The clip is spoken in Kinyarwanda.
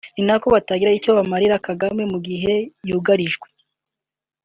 ni nako batagira icyo bamarira Kagame mu gihe yugarijwe